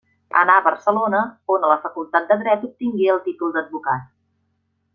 Anà a Barcelona on a la Facultat de Dret obtingué el títol d'advocat.